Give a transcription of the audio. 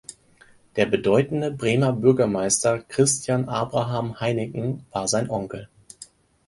Der bedeutende Bremer Bürgermeister Christian Abraham Heineken war sein Onkel.